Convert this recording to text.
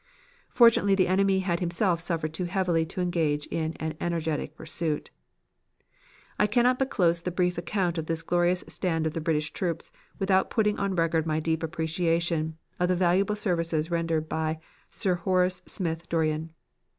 "Fortunately the enemy had himself suffered too heavily to engage in an energetic pursuit. "I cannot close the brief account of this glorious stand of the British troops without putting on record my deep appreciation of the valuable services rendered by Gen. Sir Horace Smith Dorrien.